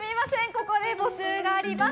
ここで募集があります。